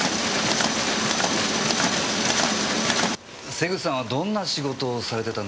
瀬口さんはどんな仕事をされてたんでしょうか？